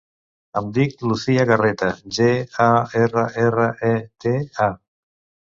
Em dic Lucía Garreta: ge, a, erra, erra, e, te, a.